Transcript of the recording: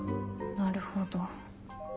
なるほど。